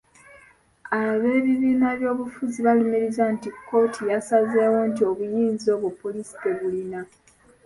Ab’ebibiina byobufuzi balumiriza nti kkooti yasazeewo nti obuyinza obwo poliisi tebulina.